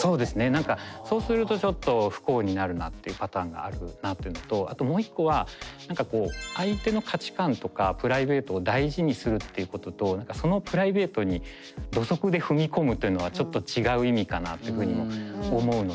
何かそうするとちょっと不幸になるなっていうパターンがあるなっていうのとあともう一個は何かこう相手の価値観とかプライベートを大事にするっていうことと何かそのプライベートに土足で踏み込むっていうのはちょっと違う意味かなっていうふうにも思うので。